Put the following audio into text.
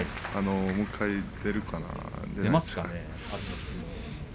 もう１回、いけるかな。